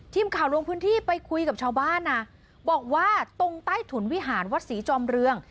ทีมข่าวลงพื้นที่ไปคุยกับชาวบ้านนะบอกว่าตรงใต้ถุนวิหารวัดศรีจอมเรือง